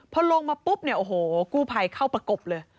พอลงมาปุ๊บกู้ภัยเข้าประกบเลย